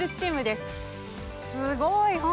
すごい！